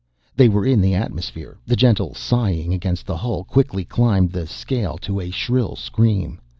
They were in the atmosphere, the gentle sighing against the hull quickly climbed the scale to a shrill scream.